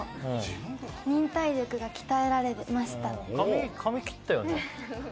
忍耐力が鍛えられましたね。